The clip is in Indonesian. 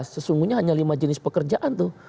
sesungguhnya hanya lima jenis pekerjaan tuh